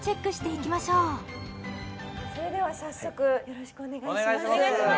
それでは早速よろしくお願いします